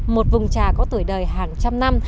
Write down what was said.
một vùng trà có tuổi đời hàng trăm năm